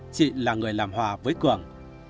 chị là người làm hòa với cường